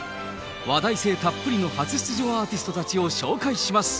話題性たっぷりの初出場アーティストたちを紹介します。